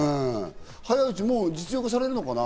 早いうちに実用化されるのかな？